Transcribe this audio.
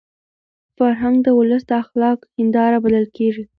فرهنګ د ولس د اخلاقو هنداره بلل کېږي.